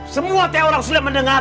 semua teorang sudah mendengar